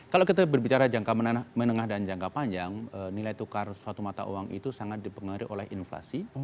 kalau kita berbicara jangka menengah dan jangka panjang nilai tukar suatu mata uang itu sangat dipengaruhi oleh inflasi